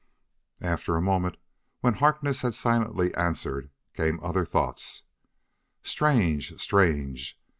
And after a moment, when Harkness had silently answered, came other thoughts: "Strange! Strange!